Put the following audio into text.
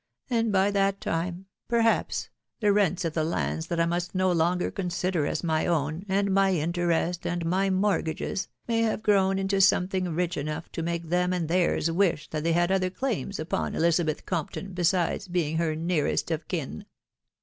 • and by that time, perhaps, the rents, of the. lands that 1 must no longer consider as my own, and my interest and my mortgages, may have grown into something rich enough to make them and theirs wish that they had other claims upon ElizabethCompton besides being her nearest of kin."